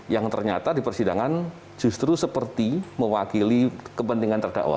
yang ternyata di persidangan justru seperti mewakili kepentingan terdakwa